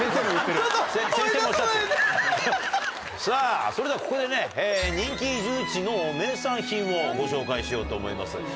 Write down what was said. さぁそれではここでね。をご紹介しようと思います。